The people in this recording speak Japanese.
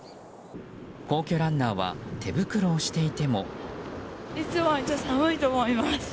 皇居ランナーは手袋をしていても。